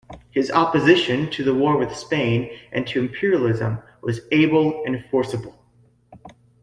His opposition to the war with Spain and to imperialism was able and forcible.